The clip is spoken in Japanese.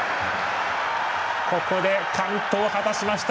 ここで完登を果たしました。